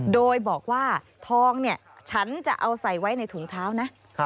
โดยบอกว่าทองเนี่ยฉันจะเอาใส่ไว้ในถุงเท้านะ